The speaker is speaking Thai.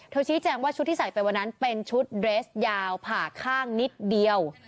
ชี้แจงว่าชุดที่ใส่ไปวันนั้นเป็นชุดเรสยาวผ่าข้างนิดเดียว